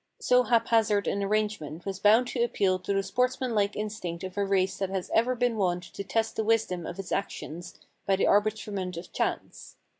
So haphazard an arrangement was bound to appeal to the sportsmanlike instinct of a race that has ever been wont to test the wisdom of its actions by the arbitrament of chance.